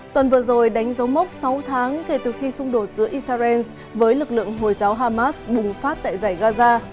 tuần vừa rồi đánh dấu mốc sáu tháng kể từ khi xung đột giữa israel với lực lượng hồi giáo hamas bùng phát tại giải gaza